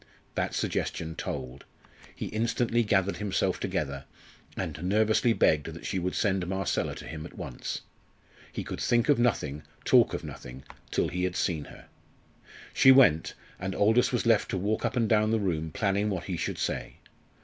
That suggestion told. He instantly gathered himself together, and nervously begged that she would send Marcella to him at once. He could think of nothing, talk of nothing, till he had seen her. She went, and Aldous was left to walk up and down the room planning what he should say.